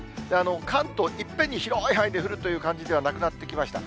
関東、いっぺんに広い範囲で降るという感じではなくなってきました。